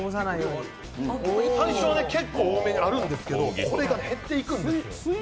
最初は結構多めにあるんですけど、これが小さくなるんですよ